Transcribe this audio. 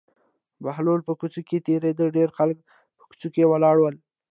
بهلول په کوڅه کې تېرېده ډېر خلک په کوڅه کې ولاړ وو.